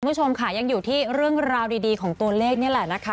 คุณผู้ชมค่ะยังอยู่ที่เรื่องราวดีของตัวเลขนี่แหละนะคะ